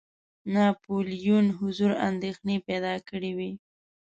ناپولیون حضور اندېښنې پیدا کړي وې.